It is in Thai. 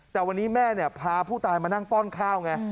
แต่วันนี้แม่พาผู้ตายมานั่งป้อนข้าวไง